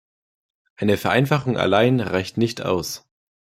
Eine Vereinfachung allein reicht nicht aus.